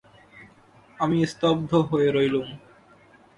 আমি স্তব্ধ হয়ে রইলুম।